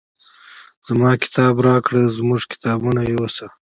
زما کتاب راکړه زموږ کتابونه یوسه.